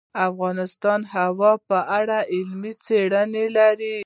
افغانستان د هوا په اړه علمي څېړنې لري.